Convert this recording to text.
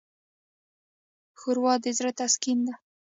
ښوروا د زړه تسکین ده.